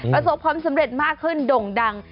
ประสบความสำเร็จมากขึ้นด่งดัง